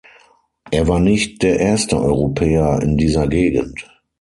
Er war nicht der erste Europäer in dieser Gegend.